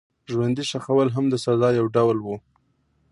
ژوندي ښخول هم د سزا یو ډول و.